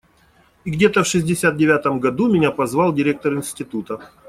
И где-то в шестьдесят девятом году меня позвал директор института.